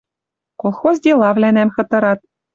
Колхоз делавлӓнӓм хытырат